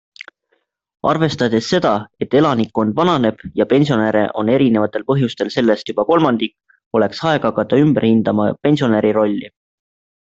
Arvestades seda, et elanikkond vananeb ja pensionäre on erinevatel põhjustel sellest juba kolmandik, oleks aeg hakata ümber hindama pensionäri rolli.